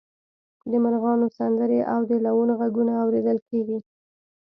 د مرغانو سندرې او د لوون غږونه اوریدل کیږي